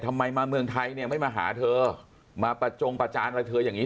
ทำไมมาเมืองไทยเนี่ยไม่มาหาเธอมาประจงประจานอะไรเธออย่างนี้